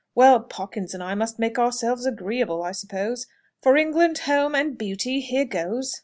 Well, Pawkins and I must make ourselves agreeable, I suppose. For England, home, and beauty here goes!"